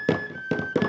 di tempat lain